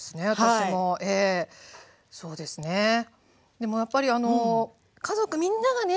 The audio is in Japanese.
でもやっぱり家族みんながね